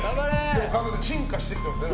神田さん、進化してきてますね。